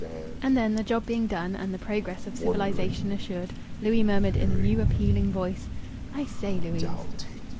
And then, the job being done and the progress of civilization assured, Louis murmured in a new appealing voice "I say, Louise!"